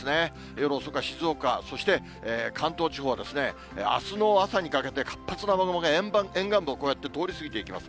夜遅くは静岡、そして関東地方は、あすの朝にかけて、活発な雨雲が、沿岸部をこうやって通り過ぎていきます。